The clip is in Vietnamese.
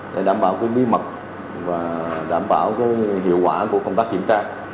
để đảm bảo cái bí mật và đảm bảo cái hiệu quả của công tác kiểm tra